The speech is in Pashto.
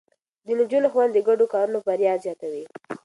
د نجونو ښوونه د ګډو کارونو بريا زياتوي.